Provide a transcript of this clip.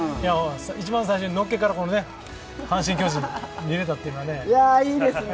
一番最初に、のっけから阪神・巨人、見れたっていうのはね。